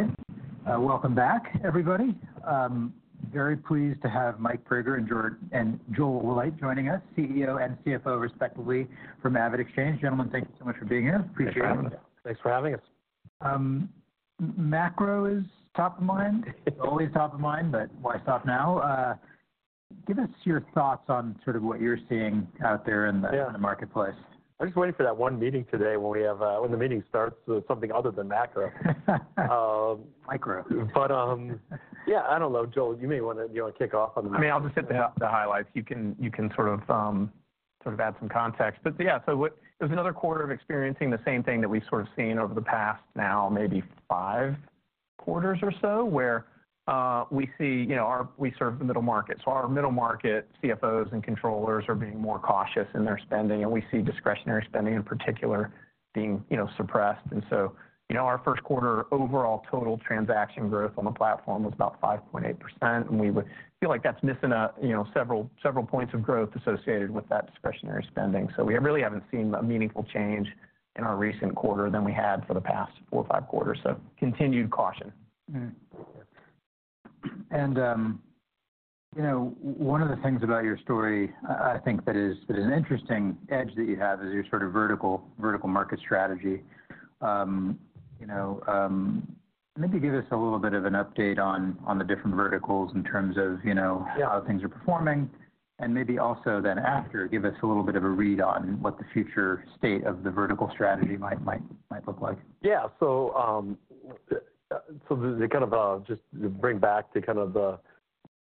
All right. Welcome back, everybody. Very pleased to have Mike Praeger and Joel Wilhite joining us, CEO and CFO, respectively, from AvidXchange. Gentlemen, thank you so much for being here. Appreciate it. Thanks for having me. Thanks for having us. Macro is top of mind. Always top of mind, but why stop now? Give us your thoughts on sort of what you're seeing out there in the- Yeah ...in the marketplace. I'm just waiting for that one meeting today, when the meeting starts with something other than macro. Micro. But, yeah, I don't know. Joel, you may wanna. Do you wanna kick off on that? I mean, I'll just hit the highlights. You can sort of add some context. But yeah, so what it was another quarter of experiencing the same thing that we've sort of seen over the past, now, maybe five quarters or so, where we see, you know, our... We serve the middle market. So our middle market CFOs and controllers are being more cautious in their spending, and we see discretionary spending, in particular, being, you know, suppressed. And so, you know, our first quarter overall total transaction growth on the platform was about 5.8%, and we feel like that's missing out, you know, several points of growth associated with that discretionary spending. So we really haven't seen a meaningful change in our recent quarter than we had for the past four or five quarters, so continued caution. And, you know, one of the things about your story, I think that is an interesting edge that you have, is your sort of vertical market strategy. You know, maybe give us a little bit of an update on the different verticals in terms of, you know- Yeah how things are performing, and maybe also then after, give us a little bit of a read on what the future state of the vertical strategy might look like. Yeah. So, to kind of just bring back to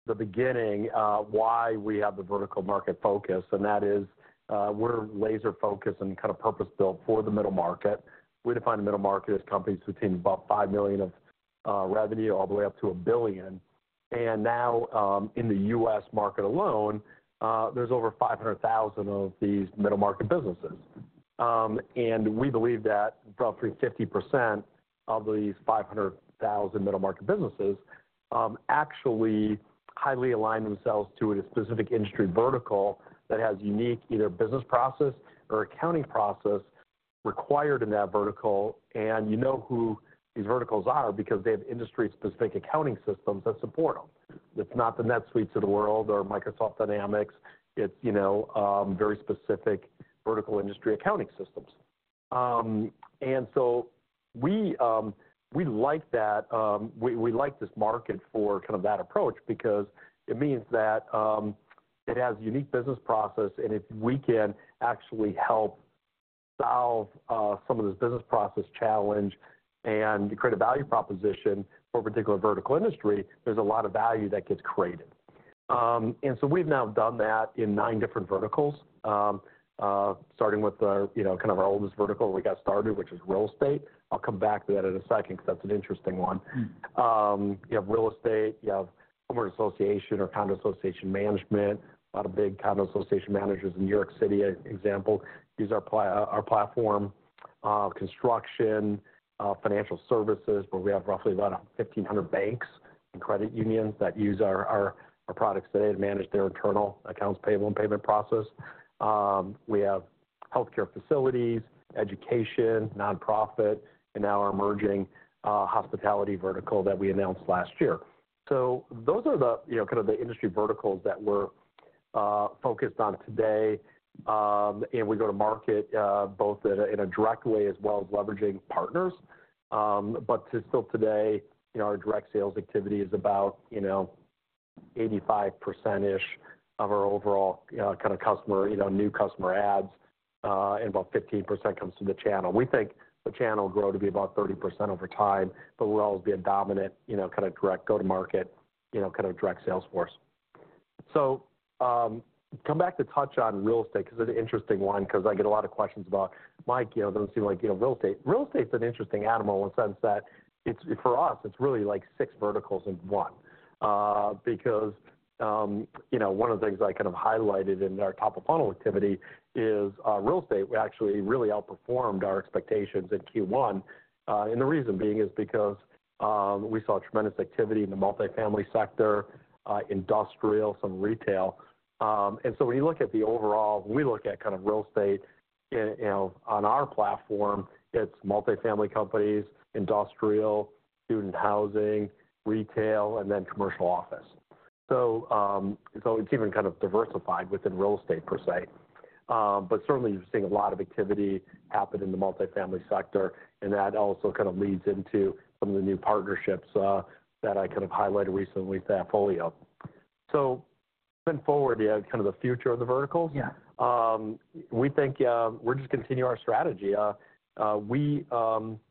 the beginning, why we have the vertical market focus, and that is, we're laser focused and kind of purpose-built for the middle market. We define the middle market as companies between about $5 million of revenue, all the way up to $1 billion. And now, in the U.S. market alone, there's over 500,000 of these middle-market businesses. And we believe that roughly 50% of these 500,000 middle-market businesses actually highly align themselves to a specific industry vertical that has unique, either business process or accounting process, required in that vertical. And you know who these verticals are, because they have industry-specific accounting systems that support them. It's not the NetSuite of the world or Microsoft Dynamics, it's, you know, very specific vertical industry accounting systems. And so we, we like that... We, we like this market for kind of that approach, because it means that, it has unique business process, and if we can actually help solve, some of this business process challenge and create a value proposition for a particular vertical industry, there's a lot of value that gets created. And so we've now done that in nine different verticals, starting with, you know, kind of our oldest vertical, we got started, which is real estate. I'll come back to that in a second, because that's an interesting one. You have real estate, you have homeowner association or condo association management. A lot of big condo association managers in New York City, for example, use our platform. Construction, financial services, where we have roughly about 1,500 banks and credit unions that use our products today, to manage their internal accounts payable and payment process. We have healthcare facilities, education, nonprofit, and now our emerging hospitality vertical that we announced last year. So those are the, you know, kind of the industry verticals that we're focused on today, and we go to market both in a direct way, as well as leveraging partners. But to still today, you know, our direct sales activity is about, you know, 85%-ish of our overall, kind of customer, you know, new customer adds, and about 15% comes from the channel. We think the channel will grow to be about 30% over time, but we'll always be a dominant, you know, kind of direct, go-to market, you know, kind of direct sales force. So, come back to touch on real estate, 'cause it's an interesting one, 'cause I get a lot of questions about, "Mike, you know, it doesn't seem like, you know, real estate." Real estate's an interesting animal, in the sense that, it's, for us, it's really like six verticals in one. Because, you know, one of the things I kind of highlighted in our top-of-funnel activity is real estate. We actually really outperformed our expectations in Q1. And the reason being is because we saw tremendous activity in the multifamily sector, industrial, some retail. And so when you look at the overall, we look at kind of real estate. In, you know, on our platform, it's multifamily companies, industrial, student housing, retail, and then commercial office. So, so it's even kind of diversified within real estate per se. But certainly, you're seeing a lot of activity happen in the multifamily sector, and that also kind of leads into some of the new partnerships that I kind of highlighted recently with AppFolio. So moving forward, yeah, kind of the future of the verticals? Yeah. We think, we're just continue our strategy.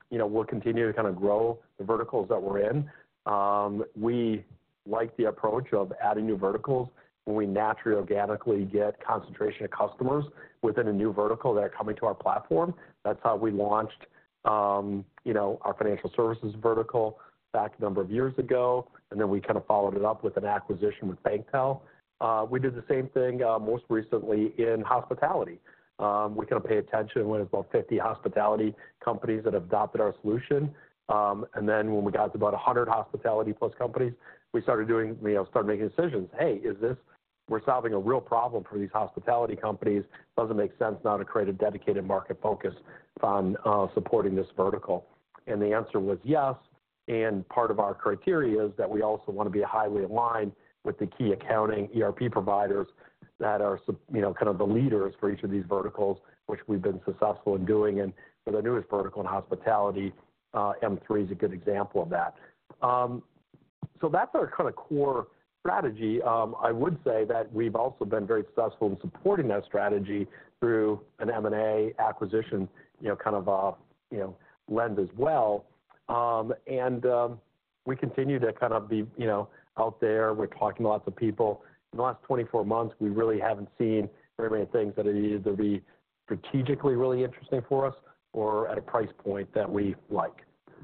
You know, we'll continue to kind of grow the verticals that we're in. We like the approach of adding new verticals, when we naturally, organically get concentration of customers within a new vertical that are coming to our platform. That's how we launched, you know, our financial services vertical back a number of years ago, and then we kind of followed it up with an acquisition with BankTEL. We did the same thing, most recently in hospitality. We kind of pay attention when it's about 50 hospitality companies that have adopted our solution. And then when we got to about 100 hospitality-plus companies, we started doing, you know, started making decisions: "Hey, is this-- we're solving a real problem for these hospitality companies. Does it make sense now to create a dedicated market focus on supporting this vertical?" And the answer was yes, and part of our criteria is that we also wanna be highly aligned with the key accounting ERP providers that are so, you know, kind of the leaders for each of these verticals, which we've been successful in doing. And for the newest vertical in hospitality, M3 is a good example of that. So that's our kind of core strategy. I would say that we've also been very successful in supporting that strategy through an M&A acquisition, you know, kind of, you know, lens as well. And we continue to kind of be, you know, out there. We're talking to lots of people. In the last 24 months, we really haven't seen very many things that are either strategically really interesting for us, or at a price point that we like.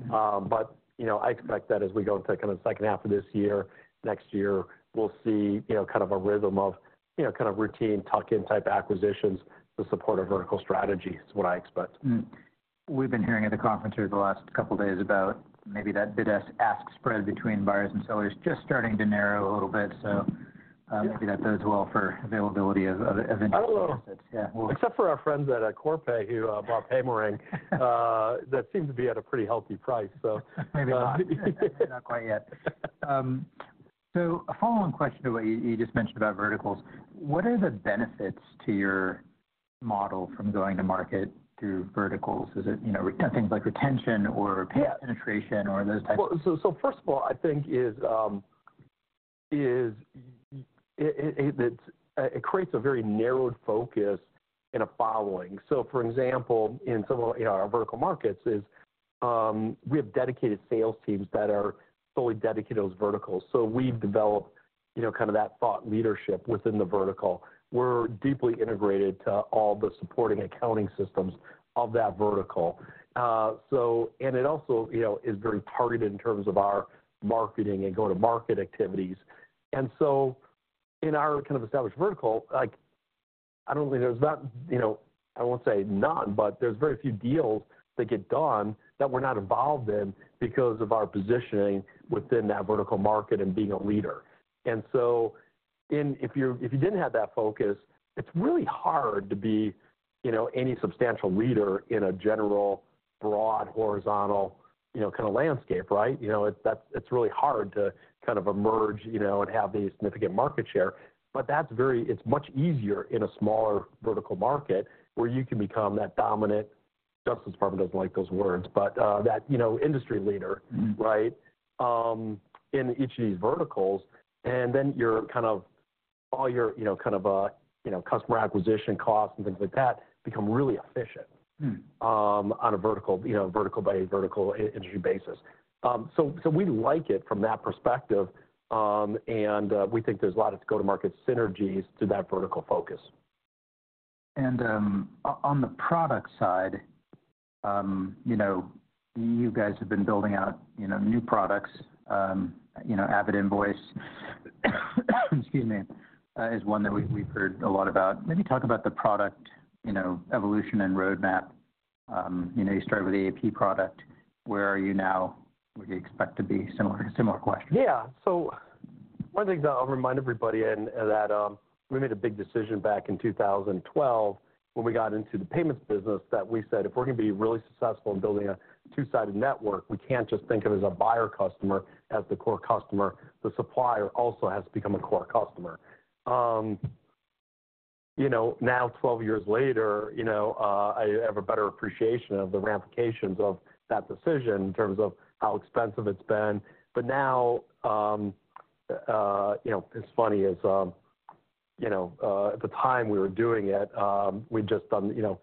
But, you know, I expect that as we go into kind of the second half of this year, next year, we'll see, you know, kind of a rhythm of, you know, kind of routine tuck-in type acquisitions to support our vertical strategy, is what I expect. We've been hearing at the conference here the last couple days about maybe that bid-ask spread between buyers and sellers just starting to narrow a little bit, so- Yeah ... maybe that bodes well for availability of assets. I don't know. Yeah. Except for our friends at Corpay, who bought Paymerang, that seemed to be at a pretty healthy price, so- Maybe not. Not quite yet. So a follow-on question to what you just mentioned about verticals. What are the benefits to your model from going to market through verticals? Is it, you know, re- things like retention or- Yeah... penetration or those types? Well, so first of all, I think it creates a very narrowed focus and a following. So for example, in some of, you know, our vertical markets, we have dedicated sales teams that are fully dedicated to those verticals. So we've developed, you know, kind of that thought leadership within the vertical. We're deeply integrated to all the supporting accounting systems of that vertical. So and it also, you know, is very targeted in terms of our marketing and go-to-market activities. And so in our kind of established vertical, like, I don't think there's not, you know, I won't say none, but there's very few deals that get done that we're not involved in because of our positioning within that vertical market and being a leader. And so if you didn't have that focus, it's really hard to be, you know, any substantial leader in a general, broad, horizontal, you know, kind of landscape, right? You know, it's really hard to kind of emerge, you know, and have any significant market share. But that's very... It's much easier in a smaller vertical market, where you can become that dominant, Justice Department doesn't like those words, but, that, you know, industry leader, right, in each of these verticals, and then you're kind of all your, you know, kind of, you know, customer acquisition costs and things like that, become really efficient on a vertical, you know, vertical by vertical industry basis. So, we like it from that perspective, and we think there's a lot of go-to-market synergies to that vertical focus. On the product side, you know, you guys have been building out, you know, new products, you know, AvidInvoice, excuse me, is one that we've heard a lot about. Maybe talk about the product, you know, evolution and roadmap. You know, you started with the AP product, where are you now? Where do you expect to be? Similar, similar question. Yeah. So one of the things I'll remind everybody, we made a big decision back in 2012, when we got into the payments business, that we said, "If we're gonna be really successful in building a two-sided network, we can't just think of it as a buyer customer, as the core customer. The supplier also has to become a core customer." You know, now, 12 years later, you know, I have a better appreciation of the ramifications of that decision in terms of how expensive it's been. But now, you know, what's funny is, you know, at the time we were doing it, we'd just done, you know.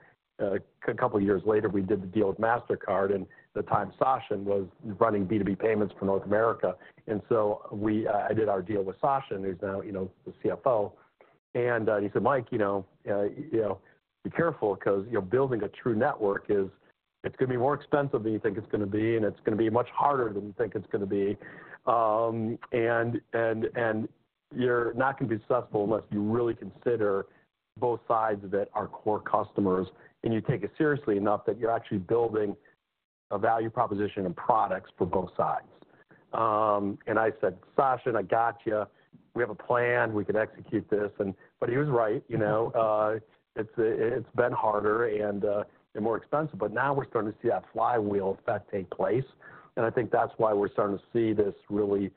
A couple years later, we did the deal with Mastercard, and at the time, Sachin was running B2B payments for North America. And so I did our deal with Sachin, who's now, you know, the CFO. And he said, "Mike, you know, you know, be careful because, you know, building a true network is, it's gonna be more expensive than you think it's gonna be, and it's gonna be much harder than you think it's gonna be. And you're not gonna be successful unless you really consider both sides that are core customers, and you take it seriously enough that you're actually building a value proposition and products for both sides." And I said, "Sachin, I gotcha. We have a plan. We can execute this," and. But he was right, you know? It's been harder and more expensive, but now we're starting to see that flywheel effect take place. And I think that's why we're starting to see this really,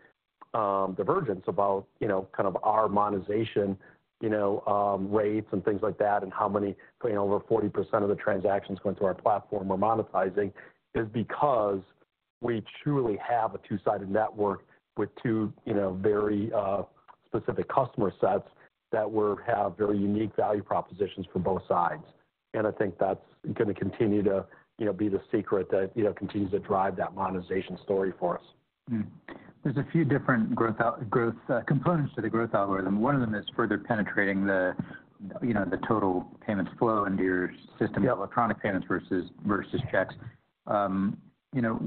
divergence about, you know, kind of our monetization, you know, rates and things like that, and how many, you know, over 40% of the transactions going through our platform are monetizing, is because we truly have a two-sided network with two, you know, very, specific customer sets, that we have very unique value propositions for both sides. And I think that's gonna continue to, you know, be the secret that, you know, continues to drive that monetization story for us. There's a few different growth components to the growth algorithm. One of them is further penetrating the, you know, the total payments flow into your system- Yep... electronic payments versus checks. You know,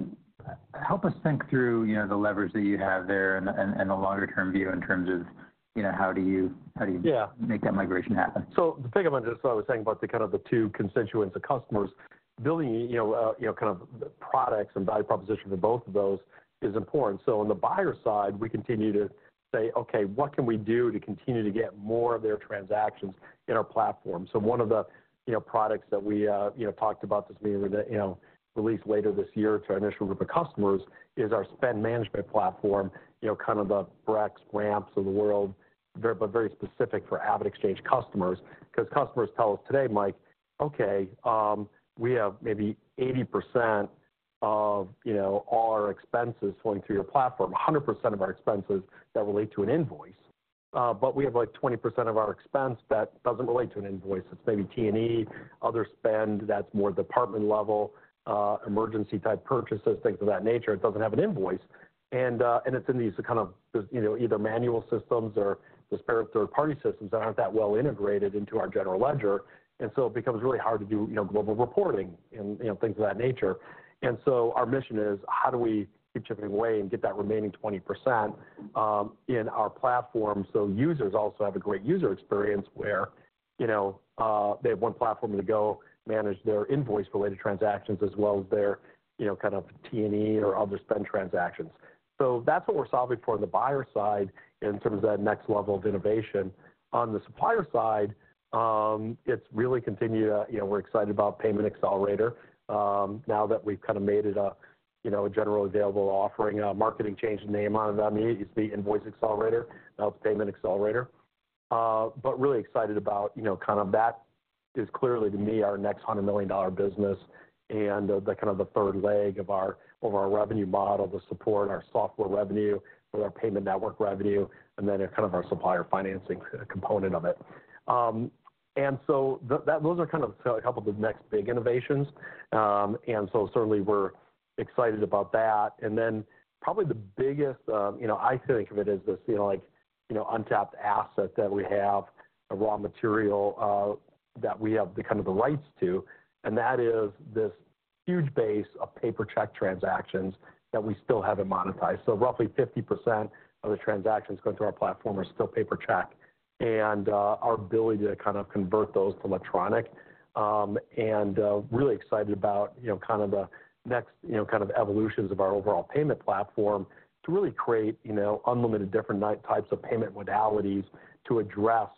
help us think through, you know, the levers that you have there and the longer term view in terms of, you know, how do you, how do you- Yeah... make that migration happen? So the thing about, just what I was saying about the kind of the two constituents of customers, building, you know, you know, kind of the products and value proposition for both of those is important. So on the buyer side, we continue to say, "Okay, what can we do to continue to get more of their transactions in our platform?" So one of the, you know, products that we, you know, talked about this meeting today, you know, release later this year to our initial group of customers, is our spend management platform. You know, kind of the Brex, Ramp of the world, very, but very specific for AvidXchange customers. Because customers tell us today, "Mike, okay, we have maybe 80% of, you know, all our expenses flowing through your platform, 100% of our expenses that relate to an invoice. But we have, like, 20% of our expense that doesn't relate to an invoice. It's maybe T&E, other spend that's more department level, emergency type purchases, things of that nature. It doesn't have an invoice, and, and it's in these kind of, you know, either manual systems or disparate third-party systems that aren't that well integrated into our general ledger. And so it becomes really hard to do, you know, global reporting and, you know, things of that nature. And so our mission is, how do we keep chipping away and get that remaining 20%, in our platform, so users also have a great user experience where, you know, they have one platform to go manage their invoice-related transactions, as well as their, you know, kind of T&E or other spend transactions? So that's what we're solving for on the buyer side in terms of that next level of innovation. On the supplier side, it's really continued to, you know, we're excited about Payment Accelerator, now that we've kind of made it a, you know, a generally available offering. Our marketing changed the name on it. I mean, it used to be Invoice Accelerator, now it's Payment Accelerator. But really excited about, you know, kind of that is clearly, to me, our next $100 million-dollar business, and, the kind of the third leg of our, of our revenue model to support our software revenue, or our payment network revenue, and then kind of our supplier financing component of it. And so those are kind of a couple of the next big innovations. And so certainly, we're excited about that. And then probably the biggest, you know, I think of it as this, you know, like, you know, untapped asset that we have, a raw material, that we have the, kind of the rights to, and that is this huge base of paper check transactions that we still haven't monetized. So roughly 50% of the transactions going through our platform are still paper check, and our ability to kind of convert those to electronic. And really excited about, you know, kind of the next, you know, kind of evolutions of our overall payment platform to really create, you know, unlimited different types of payment modalities to address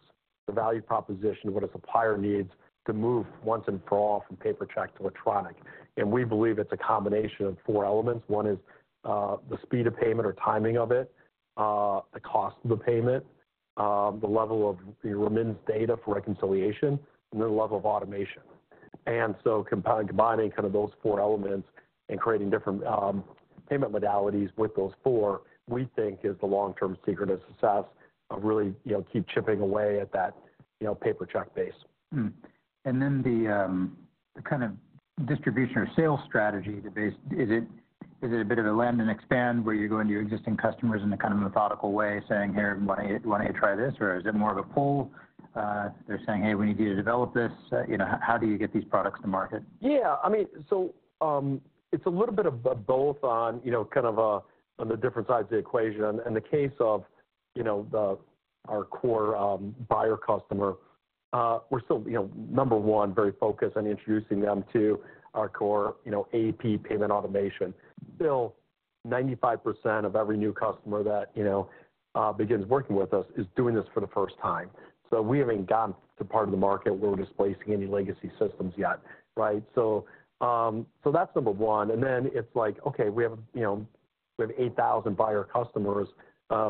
the value proposition of what a supplier needs to move once and for all from paper check to electronic. And we believe it's a combination of four elements. One is the speed of payment or timing of it, the cost of the payment, the level of your remittance data for reconciliation, and then the level of automation. And so combining kind of those four elements and creating different payment modalities with those four, we think is the long-term secret of success of really, you know, keep chipping away at that, you know, paper check base. And then the kind of distribution or sales strategy, the base, is it a bit of a land and expand, where you're going to your existing customers in a kind of methodical way, saying, "Here, why don't you try this?" Or is it more of a pull, they're saying, "Hey, we need you to develop this." You know, how do you get these products to market? Yeah. I mean, so, it's a little bit of both on, you know, kind of, on the different sides of the equation. In the case of, you know, the, our core, buyer customer, we're still, you know, number one, very focused on introducing them to our core, you know, AP payment automation. Still, 95% of every new customer that, you know, begins working with us, is doing this for the first time. So we haven't gotten to the part of the market where we're displacing any legacy systems yet, right? So, so that's number one. And then it's like, okay, we have, you know, we have 8,000 buyer customers.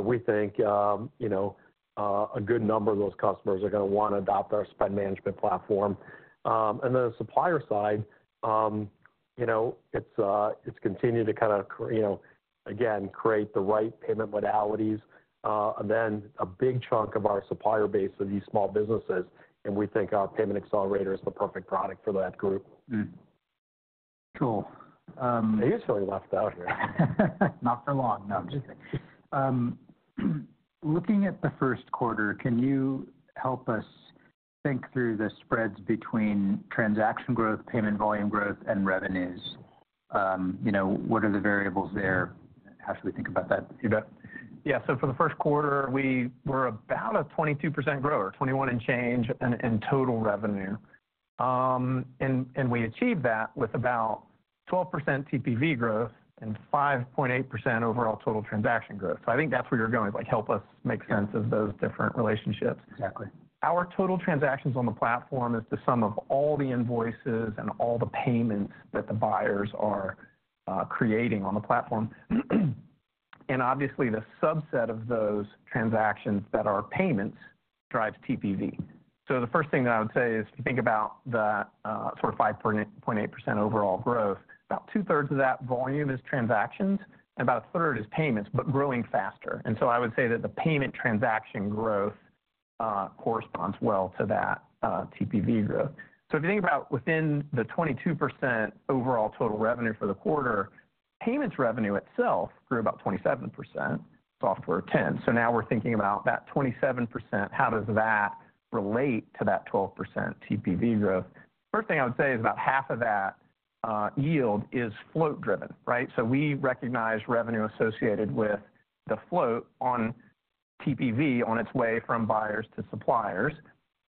We think, you know, a good number of those customers are gonna wanna adopt our spend management platform. And then the supplier side, you know, it's, it's continued to kind of, you know, again, create the right payment modalities. And then a big chunk of our supplier base are these small businesses, and we think our Payment Accelerator is the perfect product for that group. Cool. I usually left out here. Not for long. No, I'm just kidding. Looking at the first quarter, can you help us think through the spreads between transaction growth, payment volume growth, and revenues? You know, what are the variables there? How should we think about that, Wilhite? Yeah. So for the first quarter, we were about a 22% grower, 21 and change in total revenue. And we achieved that with about 12% TPV growth and 5.8% overall total transaction growth. So I think that's where you're going, is like, help us make sense of those different relationships. Exactly. Our total transactions on the platform is the sum of all the invoices and all the payments that the buyers are creating on the platform. And obviously, the subset of those transactions that are payments drives TPV. So the first thing that I would say is, if you think about the sort of 5.8% overall growth, about two-thirds of that volume is transactions and about a third is payments, but growing faster. And so I would say that the payment transaction growth corresponds well to that TPV growth. So if you think about within the 22% overall total revenue for the quarter, payments revenue itself grew about 27%, software 10%. So now we're thinking about that 27%, how does that relate to that 12% TPV growth? First thing I would say is about half of that yield is float driven, right? So we recognize revenue associated with the float on TPV on its way from buyers to suppliers.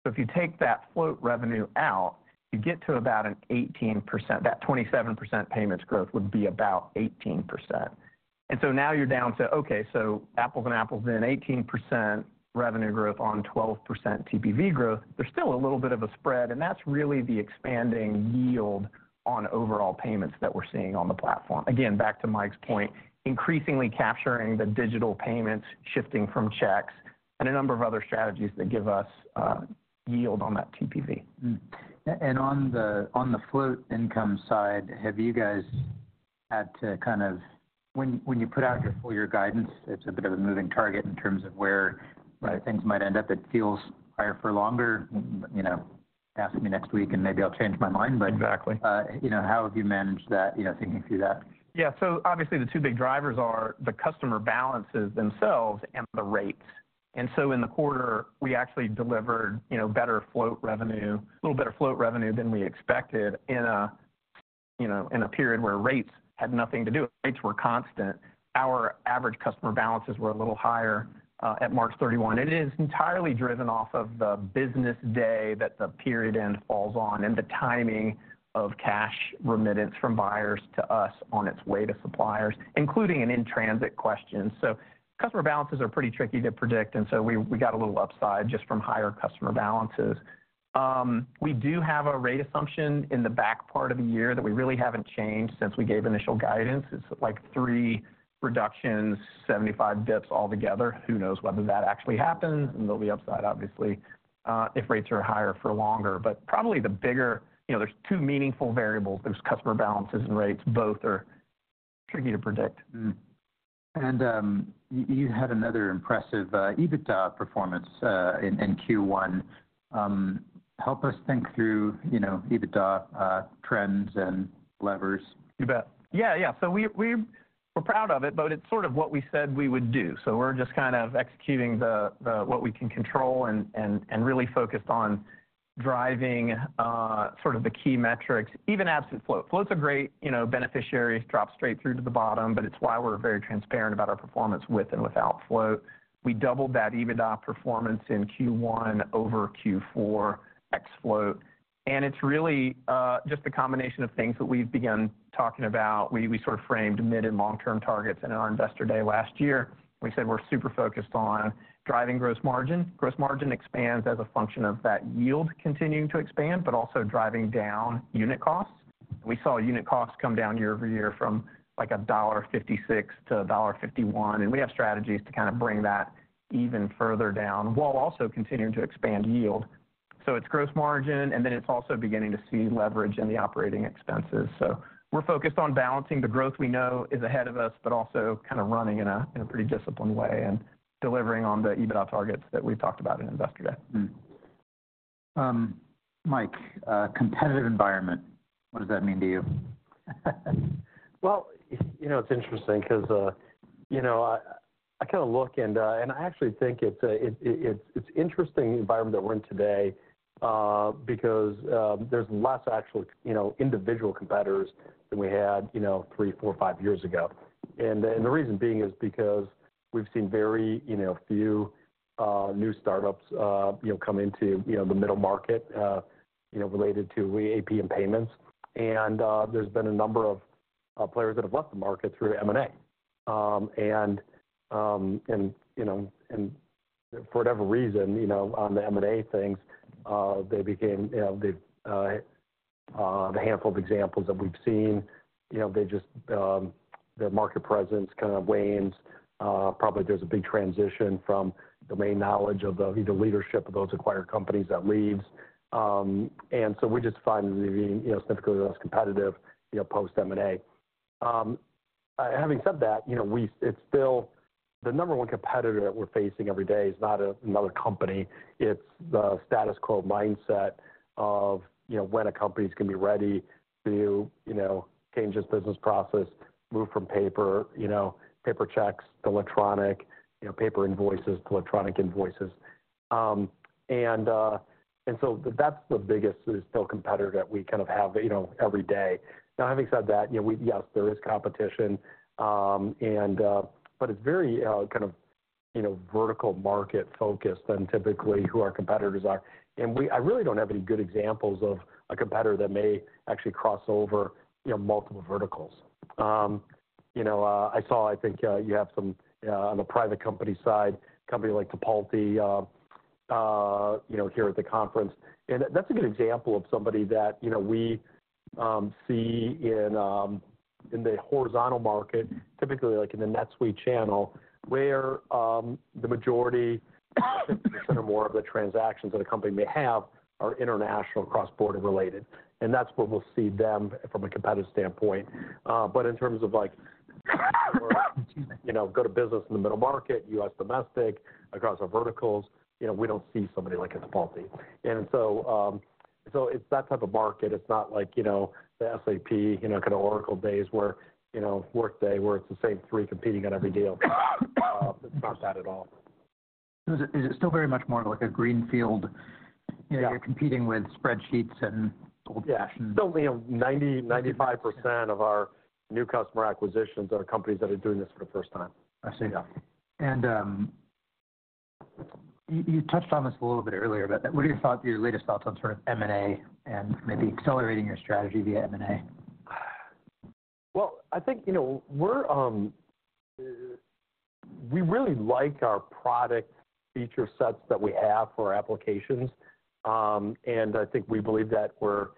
So if you take that float revenue out, you get to about an 18%. That 27% payments growth would be about 18%. And so now you're down to, okay, so apples and apples, then 18% revenue growth on 12% TPV growth, there's still a little bit of a spread, and that's really the expanding yield on overall payments that we're seeing on the platform. Again, back to Mike's point, increasingly capturing the digital payments, shifting from checks, and a number of other strategies that give us yield on that TPV. And on the float income side, have you guys had to kind of, when you put out your full year guidance, it's a bit of a moving target in terms of where- Right ...things might end up. It feels higher for longer, you know, ask me next week, and maybe I'll change my mind, but- Exactly. ...you know, how have you managed that, you know, thinking through that? Yeah. So obviously, the two big drivers are the customer balances themselves and the rates. And so in the quarter, we actually delivered, you know, better float revenue, a little better float revenue than we expected in a, you know, in a period where rates were constant. Our average customer balances were a little higher at March 31. It is entirely driven off of the business day that the period end falls on, and the timing of cash remittance from buyers to us on its way to suppliers, including an in-transit question. So customer balances are pretty tricky to predict, and so we, we got a little upside just from higher customer balances. We do have a rate assumption in the back part of the year that we really haven't changed since we gave initial guidance. It's like three reductions, 75 dips altogether. Who knows whether that actually happens? There'll be upside, obviously, if rates are higher for longer. But probably the bigger... You know, there's two meaningful variables. There's customer balances and rates. Both are tricky to predict. And you had another impressive EBITDA performance in Q1. Help us think through, you know, EBITDA trends and levers. You bet. Yeah, yeah. So we're proud of it, but it's sort of what we said we would do. So we're just kind of executing what we can control and really focused on driving sort of the key metrics, even absent float. Floats are great, you know, benefits drop straight through to the bottom, but it's why we're very transparent about our performance with and without float. We doubled that EBITDA performance in Q1 over Q4 ex float, and it's really just a combination of things that we've begun talking about. We sort of framed mid- and long-term targets in our Investor Day last year. We said we're super focused on driving gross margin. Gross margin expands as a function of that yield continuing to expand, but also driving down unit costs. We saw unit costs come down year-over-year from, like, $1.56 to $1.51, and we have strategies to kind of bring that even further down, while also continuing to expand yield. So it's gross margin, and then it's also beginning to see leverage in the operating expenses. So we're focused on balancing the growth we know is ahead of us, but also kind of running in a pretty disciplined way and delivering on the EBITDA targets that we've talked about in Investor Day. Mike, competitive environment, what does that mean to you? Well, you know, it's interesting 'cause, you know, I kind of look and I actually think it's interesting environment that we're in today, because there's less actual, you know, individual competitors than we had, you know, three, four, five years ago. And the reason being is because we've seen very, you know, few new startups, you know, come into, you know, the middle market, you know, related to AP and payments. And there's been a number of players that have left the market through M&A. And, you know, for whatever reason, you know, on the M&A things, they became, you know, the handful of examples that we've seen, you know, they just their market presence kind of wanes. Probably there's a big transition from domain knowledge of the either leadership of those acquired companies that leaves. And so we just find it being, you know, significantly less competitive, you know, post M&A. Having said that, you know, it's still the number one competitor that we're facing every day is not another company, it's the status quo mindset of, you know, when a company is gonna be ready to, you know, change its business process, move from paper, you know, paper checks to electronic, you know, paper invoices to electronic invoices. And so that's the biggest, is still competitor that we kind of have, you know, every day. Now, having said that, you know, yes, there is competition, and but it's very, kind of, you know, vertical market focused than typically who our competitors are. I really don't have any good examples of a competitor that may actually cross over, you know, multiple verticals. You know, I saw, I think, you have some on the private company side, a company like Tipalti, you know, here at the conference. And that's a good example of somebody that, you know, we see in the horizontal market, typically, like in the NetSuite channel, where the majority, 50% or more of the transactions that a company may have are international cross-border related, and that's where we'll see them from a competitive standpoint. But in terms of like, you know, go to business in the middle market, U.S. domestic, across our verticals, you know, we don't see somebody like a Tipalti. And so, it's that type of market. It's not like, you know, the SAP, you know, kind of Oracle days where, you know, Workday, where it's the same three competing on every deal. It's not that at all. Is it, is it still very much more like a greenfield- Yeah. You're competing with spreadsheets and old- Yeah. Still only 90%-95% of our new customer acquisitions are companies that are doing this for the first time. I see. Yeah. And, you touched on this a little bit earlier, but what are your latest thoughts on sort of M&A and maybe accelerating your strategy via M&A? Well, I think, you know, we really like our product feature sets that we have for our applications. And I think we believe that we're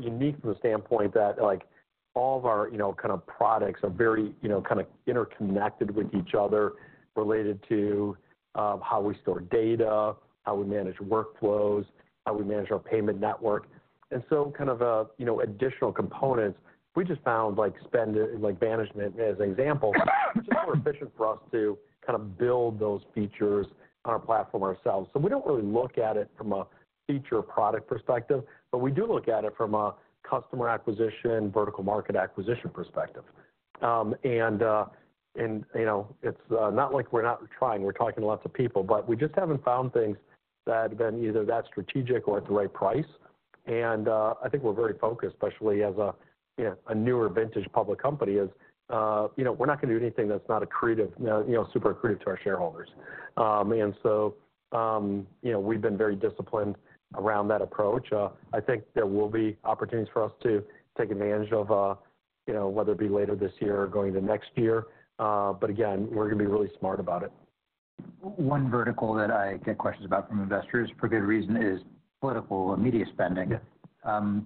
unique from the standpoint that, like, all of our, you know, kind of products are very, you know, kind of interconnected with each other, related to, how we store data, how we manage workflows, how we manage our payment network. And so kind of a, you know, additional components, we just found, like, spend, like, management as an example, it's just more efficient for us to kind of build those features on our platform ourselves. So we don't really look at it from a feature product perspective, but we do look at it from a customer acquisition, vertical market acquisition perspective. you know, it's not like we're not trying, we're talking to lots of people, but we just haven't found things that have been either that strategic or at the right price. I think we're very focused, especially as a, you know, a newer vintage public company, you know, we're not gonna do anything that's not accretive, you know, super accretive to our shareholders. And so, you know, we've been very disciplined around that approach. I think there will be opportunities for us to take advantage of, you know, whether it be later this year or going into next year. But again, we're gonna be really smart about it. One vertical that I get questions about from investors, for good reason, is political and media spending. Yeah.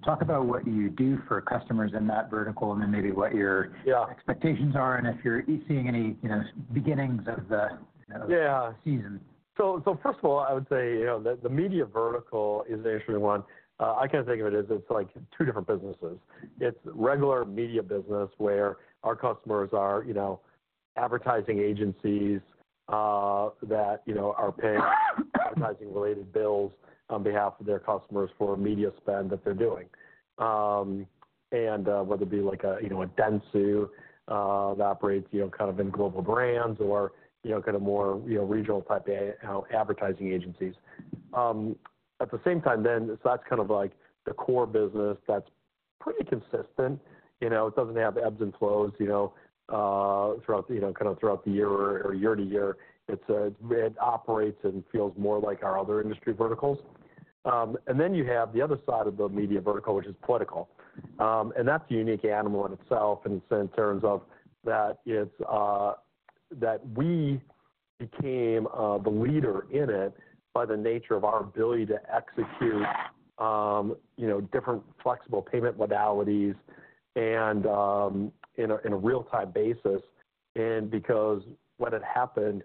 Talk about what you do for customers in that vertical, and then maybe what your- Yeah - expectations are, and if you're seeing any, you know, beginnings of the, Yeah - season. So, first of all, I would say, you know, the media vertical is actually one. I kind of think of it as it's like two different businesses. It's regular media business, where our customers are, you know, advertising agencies that, you know, are paying advertising-related bills on behalf of their customers for media spend that they're doing. And whether it be like a, you know, a Dentsu that operates, you know, kind of in global brands or, you know, kind of more, you know, regional type a advertising agencies. At the same time then, so that's kind of like the core business that's pretty consistent. You know, it doesn't have ebbs and flows, you know, throughout, you know, kind of throughout the year or year to year. It operates and feels more like our other industry verticals. And then you have the other side of the media vertical, which is political. And that's a unique animal in itself, and so in terms of that, it's that we became the leader in it by the nature of our ability to execute, you know, different flexible payment modalities and in a real-time basis. And because what had happened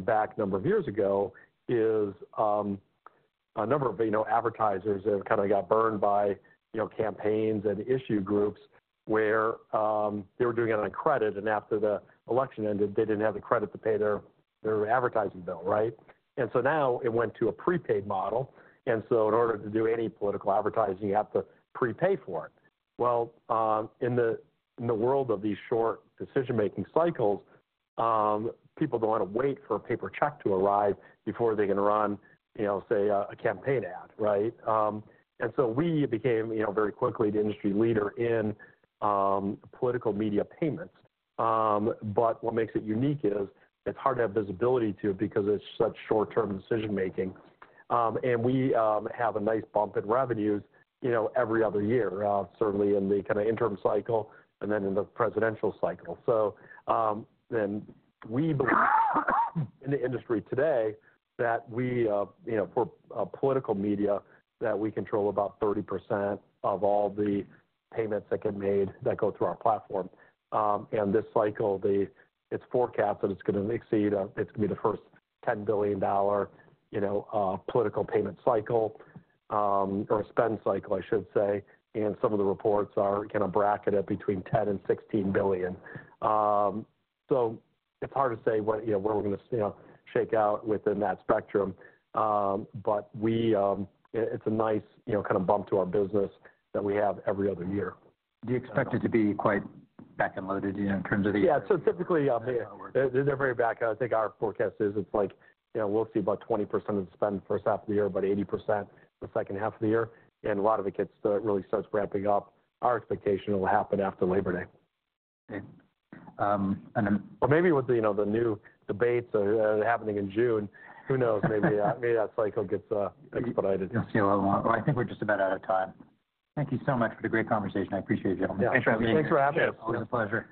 back a number of years ago is a number of, you know, advertisers have kind of got burned by, you know, campaigns and issue groups where they were doing it on credit, and after the election ended, they didn't have the credit to pay their advertising bill, right? And so now it went to a prepaid model, and so in order to do any political advertising, you have to prepay for it. Well, in the world of these short decision-making cycles, people don't want to wait for a paper check to arrive before they can run, you know, say, a campaign ad, right? And so we became, you know, very quickly the industry leader in political media payments. But what makes it unique is, it's hard to have visibility to it because it's such short-term decision-making. And we have a nice bump in revenues, you know, every other year, certainly in the kind of interim cycle and then in the presidential cycle. So, then we believe, in the industry today, that we, you know, for political media, that we control about 30% of all the payments that get made that go through our platform. And this cycle, it's forecast that it's gonna exceed, it's gonna be the first $10 billion dollar, you know, political payment cycle, or spend cycle, I should say. And some of the reports are kind of bracket it between $10 billion and $16 billion. So it's hard to say what, you know, where we're gonna, you know, shake out within that spectrum. But it's a nice, you know, kind of bump to our business that we have every other year. Do you expect it to be quite back-end loaded in terms of the year? Yeah. So typically, they're very back-ended. I think our forecast is, it's like, you know, we'll see about 20% of the spend first half of the year, about 80% the second half of the year, and a lot of it gets, really starts ramping up, our expectation, will happen after Labor Day. Okay. And then. Or maybe with the, you know, the new debates happening in June, who knows? Maybe, maybe that cycle gets expedited. We'll see what we want. Well, I think we're just about out of time. Thank you so much for the great conversation. I appreciate it, gentlemen. Yeah. Thanks for having us. Thanks. Always a pleasure.